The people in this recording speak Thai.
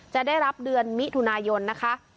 จะได้รับเดือนมิถุนายนนะคะ